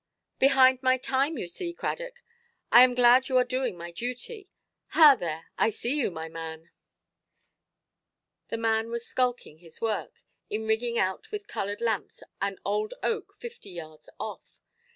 "Behind my time, you see, Cradock. I am glad you are doing my duty.—Ha, there! I see you, my man". The man was skulking his work, in rigging out with coloured lamps an old oak fifty yards off.